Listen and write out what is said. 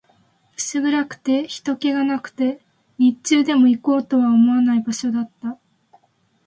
薄暗くて、人気がなくて、日中でも行こうとは思わない場所だった